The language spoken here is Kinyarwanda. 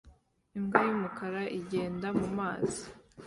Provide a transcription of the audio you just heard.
Imbwa y'umukara igenda mu mazi